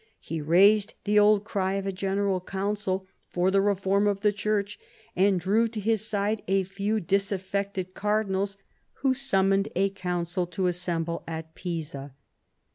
He raised the old cry of a General Gouncil for the reform of the Ghurch, and drew to his side a few dis affected cardinals, who summoned a Gouncil to assemble at Pisa.